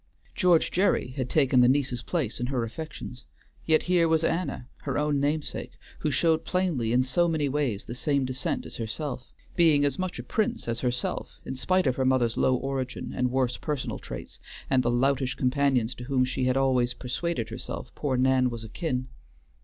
George Gerry had taken the niece's place in her affections, yet here was Anna, her own namesake, who showed plainly in so many ways the same descent as herself, being as much a Prince as herself in spite of her mother's low origin and worse personal traits, and the loutish companions to whom she had always persuaded herself poor Nan was akin.